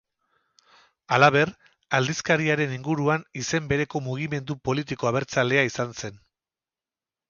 Halaber, aldizkariaren inguruan izen bereko mugimendu politiko abertzalea izan zen.